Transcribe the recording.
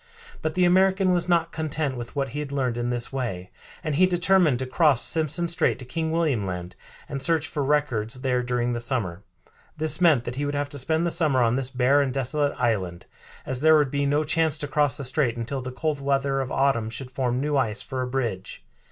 But the American was not content with what he had learned in this way, and he determined to cross Simpson Strait to King William Land, and search for records there during the summer. This meant that he would have to spend the summer on this bare and desolate island, as there would be no chance to cross the strait until the cold weather of autumn should form new ice for a bridge.